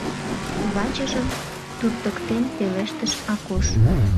— вачыжым туртыктен, пелештыш Акош.